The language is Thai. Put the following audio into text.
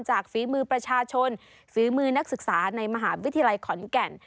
ฝีมือประชาชนฝีมือนักศึกษาในมหาวิทยาลัยขอนแก่น